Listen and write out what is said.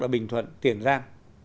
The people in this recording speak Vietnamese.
ở bình thuận tiền giang